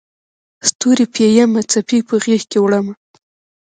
ستوري پېیمه څپې په غیږکې وړمه